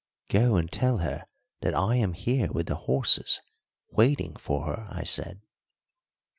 "Go and tell her that I am here with the horses waiting for her," I said.